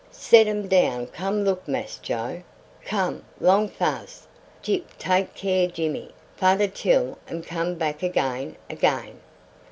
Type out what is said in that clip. "Set um down come look Mass Joe. Come 'long fas. Gyp take care Jimmy fader till um come back again again."